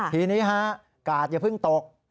ทีนี้ฮะกาดอย่าเพิ่งตก